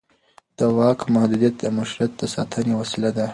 د واک محدودیت د مشروعیت د ساتنې وسیله ده